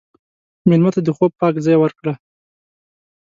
مېلمه ته د خوب پاک ځای ورکړه.